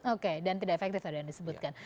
oke dan tidak efektif tadi yang disebutkan